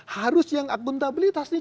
harus yang akuntabilitas nih